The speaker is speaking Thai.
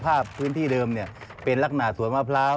ภาพพื้นที่เดิมเป็นลักษณะสวนมะพร้าว